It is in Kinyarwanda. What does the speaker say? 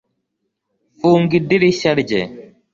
Funga idirishya rye